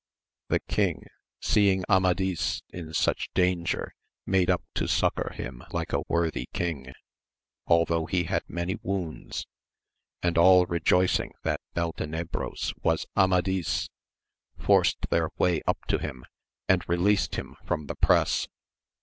The king seeing Amadis in such danger made up to succour him like a worthy king, although he had many wounds, and all rejoicing that Beltenebros was Amadis, forced their way up to him, and released him from the press.